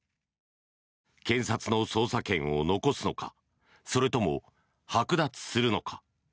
検察の捜査権を残すのかそれともはく奪するのか。